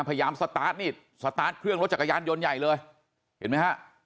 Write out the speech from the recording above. สตาร์ทนี่สตาร์ทเครื่องรถจักรยานยนต์ใหญ่เลยเห็นไหมฮะ